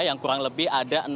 yang kurang lebih adil